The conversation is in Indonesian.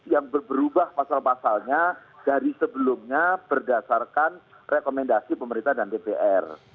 yang berubah pasal pasalnya dari sebelumnya berdasarkan rekomendasi pemerintah dan dpr